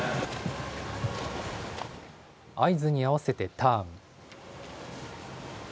合図に合わせてターン。